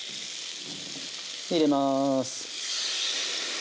入れます。